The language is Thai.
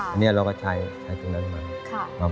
อันนี้เราก็ใช้ตรงนั้นมา